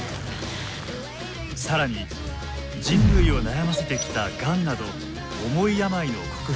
更に人類を悩ませてきたがんなど重い病の克服や。